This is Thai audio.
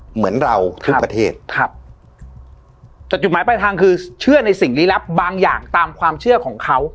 เหมือนเราทุกประเทศครับแต่จุดหมายปลายทางคือเชื่อในสิ่งลี้ลับบางอย่างตามความเชื่อของเขา